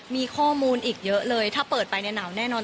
มีข้อมูลอีกเยอะเลยถ้าเปิดไปเนี่ยหนาวแน่นอน